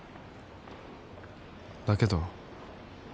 だけど